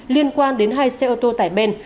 liên quan đến hai xe ô tô tải bèn